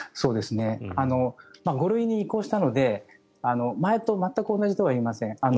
５類に移行したので前と全く同じとは言えません。